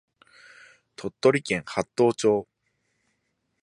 鳥取県八頭町